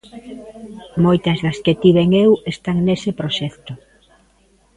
Moitas das que tiven eu están nese proxecto.